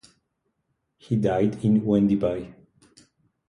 He died in Windeby.